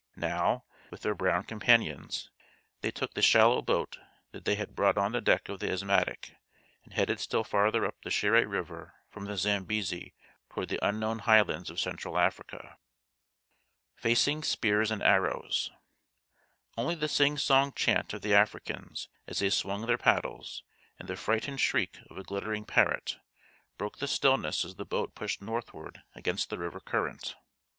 Now, with their brown companions, they took the shallow boat that they had brought on the deck of the Asthmatic, and headed still farther up the Shiré river from the Zambesi toward the unknown Highlands of Central Africa. Facing Spears and Arrows Only the sing song chant of the Africans as they swung their paddles, and the frightened shriek of a glittering parrot, broke the stillness as the boat pushed northward against the river current.